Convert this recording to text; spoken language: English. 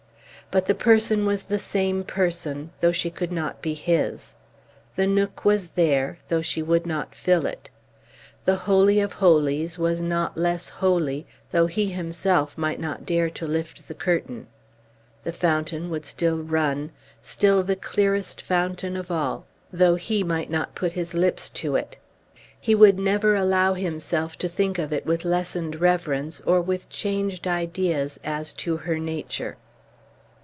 But the person was the same person, though she could not be his. The nook was there, though she would not fill it. The holy of holies was not less holy, though he himself might not dare to lift the curtain. The fountain would still run, still the clearest fountain of all, though he might not put his lips to it. He would never allow himself to think of it with lessened reverence, or with changed ideas as to her nature.